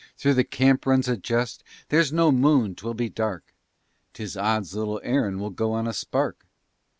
Through the camp runs a jest: "There's no moon 'twill be dark; 'Tis odds little Aaron will go on a spark!"